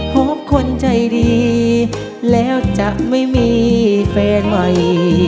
พบคนใจดีแล้วจะไม่มีแฟนใหม่